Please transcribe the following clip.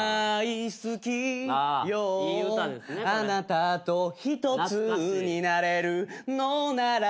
「あなたと１つになれるのなら」